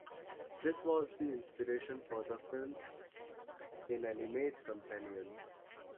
This was the inspiration for the film's inanimate companion.